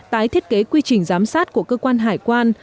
tái thiết kế quy trình giám sát của cơ quan hải quan